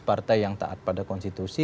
partai yang taat pada konstitusi